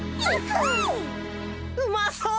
うまそう！